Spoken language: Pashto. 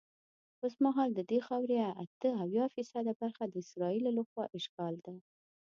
اوسمهال ددې خاورې اته اویا فیصده برخه د اسرائیلو له خوا اشغال ده.